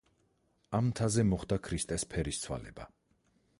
ამ მთაზე მოხდა ქრისტეს ფერისცვალება.